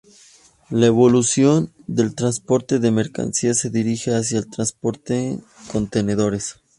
La evolución del transporte de mercancías se dirige hacia el transporte en contenedores.